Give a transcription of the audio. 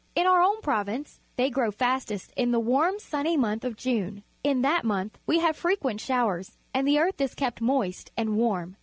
In our own province they grow fastest in the warm, sunny month of June. In that month we have frequent showers, and the earth is kept moist and warm.